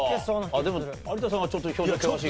でも有田さんはちょっと表情険しいか？